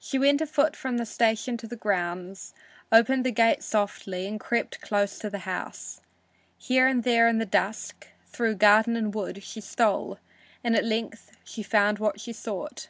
She went afoot from the station to the grounds, opened the gate softly and crept close to the house. Here and there in the dusk, through garden and wood, she stole, and at length she found what she sought.